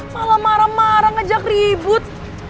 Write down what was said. malah marah marah ngejak ribut